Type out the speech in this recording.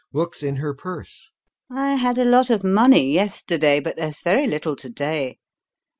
LUBOV. [Looks in her purse] I had a lot of money yesterday, but there's very little to day.